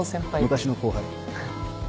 昔の後輩。